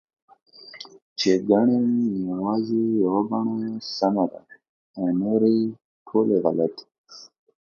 چې ګنې یوازې یوه بڼه سمه ده او نورې ټولې غلطې